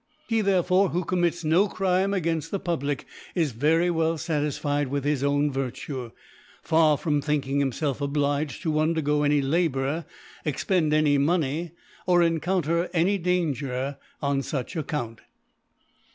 He therefore who commits no Crime againfl the Public, is very well fatis ficd with his own Virtue ; far from think ing himfelf obliged to ^undergo any La bour, expend any Money, or encounter any Danger on fuch Account.